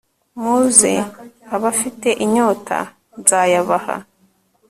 muze abafite inyota, nzayabaha